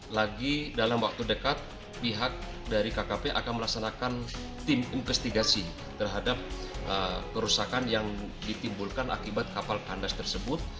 lagi dalam waktu dekat pihak dari kkp akan melaksanakan tim investigasi terhadap kerusakan yang ditimbulkan akibat kapal kandas tersebut